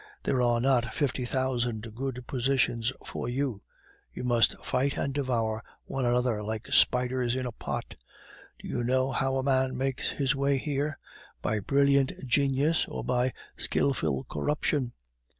There are not fifty thousand good positions for you; you must fight and devour one another like spiders in a pot. Do you know how a man makes his way here? By brilliant genius or by skilful corruption.